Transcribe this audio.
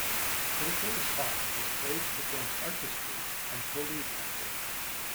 Critical response has praised the film's artistry and Polley's acting.